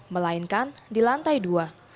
melainkan di lantai dua